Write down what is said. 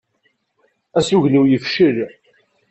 Asugen-iw yefcel.